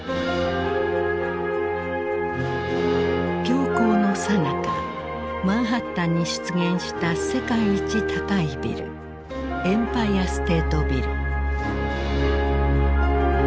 恐慌のさなかマンハッタンに出現した世界一高いビルエンパイアステートビル。